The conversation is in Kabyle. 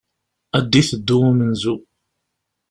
Ad d-iteddu umenzu.